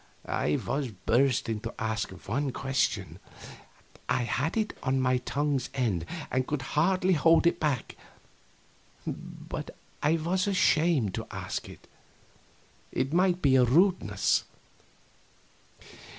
I was bursting to ask one question I had it on my tongue's end and could hardly hold it back but I was ashamed to ask it; it might be a rudeness.